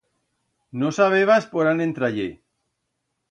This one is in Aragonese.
No sabebas por án entrar-ie.